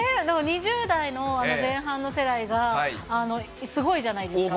２０代の前半の世代が、すごいじゃないですか。